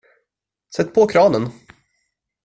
Sätt på kranen.